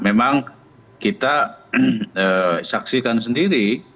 memang kita saksikan sendiri